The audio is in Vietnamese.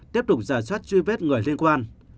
tiếp tục giả soát truy bết người liên quan